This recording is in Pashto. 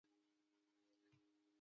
په دې مبارزه کې تاوتریخوالی نشته.